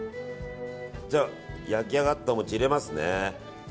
じゃあ、焼き上がった餅入れますね。